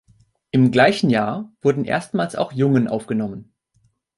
Im gleichen Jahr wurden erstmals auch Jungen aufgenommen.